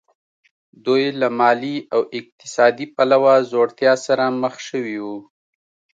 دوی له مالي او اقتصادي پلوه ځوړتیا سره مخ شوي وو